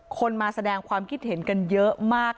คนมาแสดงความคิดเห็นกันเยอะมาก